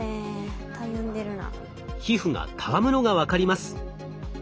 皮膚がたわむのが分かります。